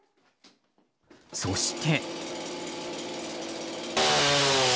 そして。